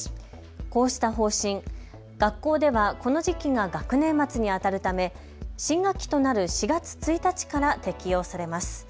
こうした方針、学校ではこの時期が学年末にあたるため新学期となる４月１日から適用されます。